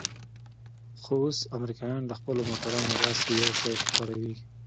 خو اوس امريکايان له خپلو موټرانو داسې يو شى خپروي.